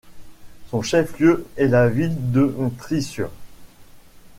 Son chef-lieu est la ville de Thrissur.